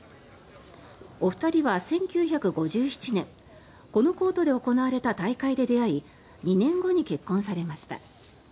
お二人は１９５７年このコートで行われた大会で出会い２年後に結婚されました。